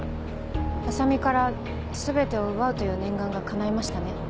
浅海から全てを奪うという念願がかないましたね。